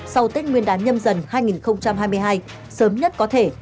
sau tết nguyên đán nhâm dần hai nghìn hai mươi hai sớm nhất có thể